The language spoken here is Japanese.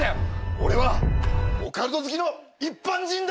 俺はオカルト好きの一般人だ！